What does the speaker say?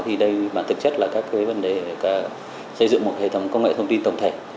thì đây mà thực chất là các vấn đề xây dựng một hệ thống công nghệ thông tin tổng thể